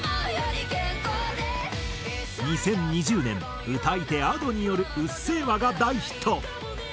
２０２０年歌い手Ａｄｏによる『うっせぇわ』が大ヒット。